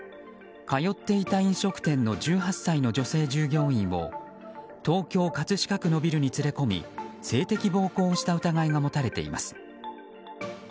通っていた飲食店の１８歳の女性従業員を東京・葛飾区のビルに連れ込み性的暴行をした疑いが持たれています。